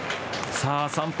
さあ３敗